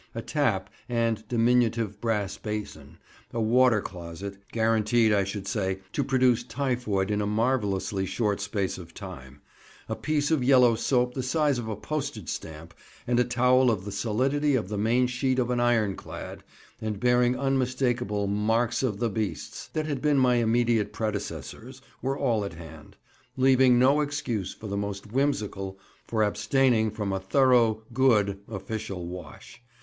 A tap and diminutive brass basin, a water closet (guaranteed, I should say, to produce typhoid in a marvellously short space of time), a piece of yellow soap the size of a postage stamp, and a towel of the solidity of the main sheet of an ironclad, and bearing unmistakable "marks of the beasts" that had been my immediate predecessors, were all at hand, leaving no excuse for the most whimsical for abstaining from a thorough good (official) wash.